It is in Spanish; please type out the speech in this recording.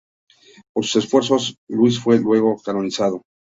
Por sus esfuerzos, Luis fue luego canonizado.